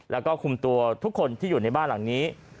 แล้วก็คุมตัวทุกคนที่อยู่ในบ้านหลังนี้